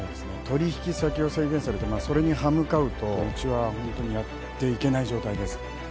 取引先を制限されてそれに歯向かうとうちはホントにやっていけない状態ですね。